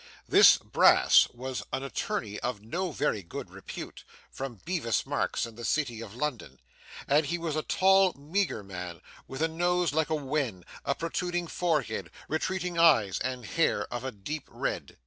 This Brass was an attorney of no very good repute, from Bevis Marks in the city of London; he was a tall, meagre man, with a nose like a wen, a protruding forehead, retreating eyes, and hair of a deep red.